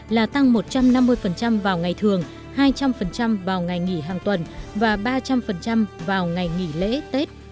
là tăng một trăm năm mươi vào ngày thường hai trăm linh vào ngày nghỉ hàng tuần và ba trăm linh vào ngày nghỉ lễ tết